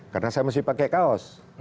karena saya masih pakai kaos